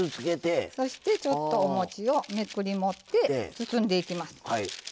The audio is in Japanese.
そしてちょっとおもちをめくり持って包んでいきます。